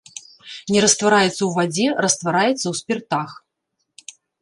Не раствараецца ў вадзе, раствараецца ў спіртах.